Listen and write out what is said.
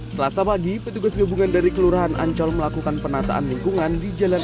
selasa pagi petugas gabungan dari kelurahan ancol melakukan penataan lingkungan di jalan